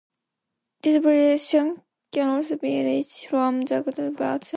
This variation can also be reached from the Ruy Lopez, Berlin Defence.